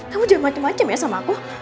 kamu jangan macem macem ya sama aku